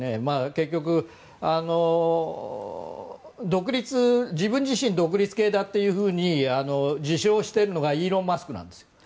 結局、自分自身独立系だって自称しているのがイーロン・マスクなんです。